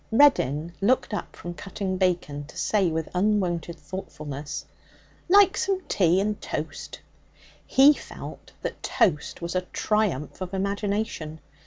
Reddin looked up from cutting bacon to say with unwonted thoughtfulness, 'Like some tea and toast?' He felt that toast was a triumph of imagination.